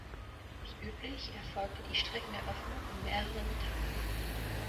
Wie üblich erfolgte die Streckeneröffnung in mehreren Etappen.